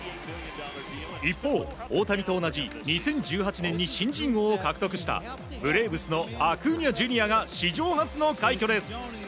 一方、大谷と同じ２０１８年に新人王を獲得したブレーブスのアクーニャＪｒ．が史上初の快挙です。